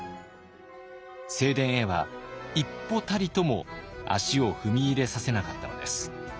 正殿へは一歩たりとも足を踏み入れさせなかったのです。